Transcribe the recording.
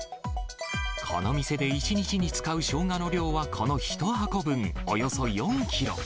この店で１日に使うショウガの量はこの１箱分、およそ４キロ。